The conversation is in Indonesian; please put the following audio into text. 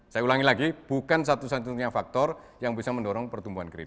saya ulangi lagi bukan satu satunya faktor yang bisa mendorong pertumbuhan kredit